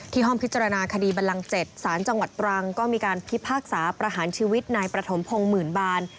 ห้องพิจารณาคดีบันลัง๗สารจังหวัดตรังก็มีการพิพากษาประหารชีวิตนายประถมพงศ์หมื่นบาน